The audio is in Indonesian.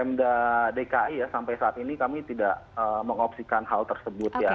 pemda dki ya sampai saat ini kami tidak mengopsikan hal tersebut ya